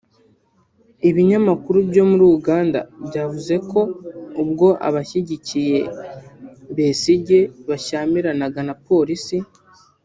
Ibinyamakuru byo muri Uganda byavuze ko ubwo abashyigikiye Besigye bashyamiranaga na Polisi